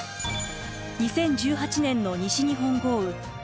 ２０１８年の西日本豪雨。